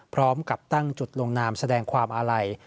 พร้อมกับตั้งจุดลงนามแสดงความอาลัย